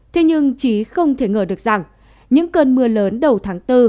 thế nhưng trí không thể ngờ được rằng những cơn mưa lớn đầu tháng bốn